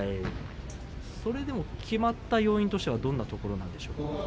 それでもきまった要因としてはどんなところなんでしょうか。